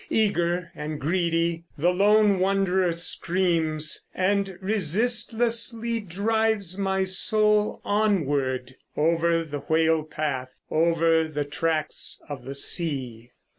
Eager and greedy, The lone wanderer screams, and resistlessly drives my soul onward, Over the whale path, over the tracts of the sea.